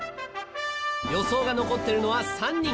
予想が残ってるのは３人。